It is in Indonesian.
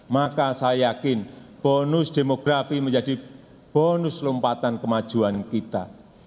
maka saya yakin bonus demografi menjadi bonus lompatan kemajuan kita